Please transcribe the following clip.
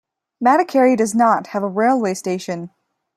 Madikeri does not have a railway station.